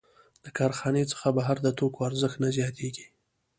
د کارخانې څخه بهر د توکو ارزښت نه زیاتېږي